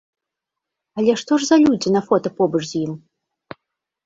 Але што ж за людзі на фота побач з ім?